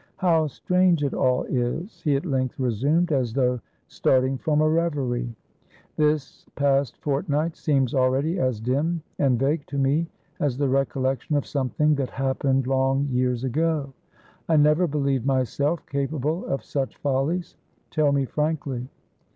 "How strange it all is!" he at length resumed, as though starting from a reverie. "This past fortnight seems already as dim and vague to me as the recollection of something that happened long years ago. I never believed myself capable of such follies. Tell me frankly."